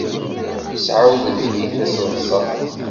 Yesɛa udfel tiseḍsa.